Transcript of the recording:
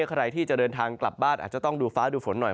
ใครที่จะเดินทางกลับบ้านอาจจะต้องดูฟ้าดูฝนหน่อย